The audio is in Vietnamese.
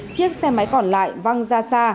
chiếc xe máy còn lại văng ra xa